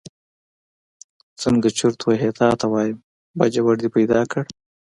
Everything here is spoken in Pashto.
څنګه چرت وهې تا ته وایم، باجوړ دې پیدا کړ.